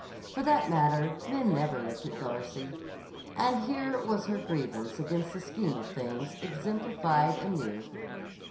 For that matter, men never looked at Darcy. And here was her grievance against the scheme of things exemplified anew.